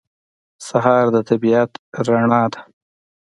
سهار د طبیعت رڼا ده.